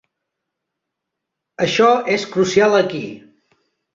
Això és crucial aquí.